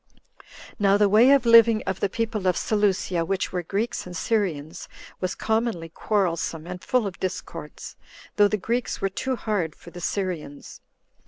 9. Now the way of living of the people of Seleucia, which were Greeks and Syrians, was commonly quarrelsome, and full of discords, though the Greeks were too hard for the Syrians.